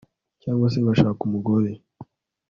cyangwa se ngashaka umugore